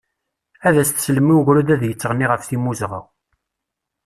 ad as-teslem i ugrud ad yetɣenni ɣef timmuzɣa.